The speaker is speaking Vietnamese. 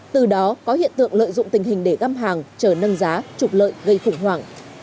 từ đó có hiện tượng lợi dụng tình hình để găm hàng chờ nâng giá trục lợi gây khủng hoảng